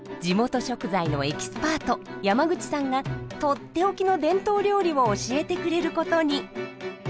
地元食材のエキスパート山口さんがとっておきの伝統料理を教えてくれることに。